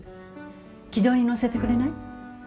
軌道に乗せてくれない？